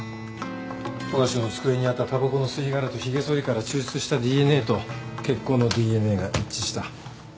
富樫の机にあったたばこの吸い殻とひげそりから抽出したＤＮＡと血痕のＤＮＡが一致した。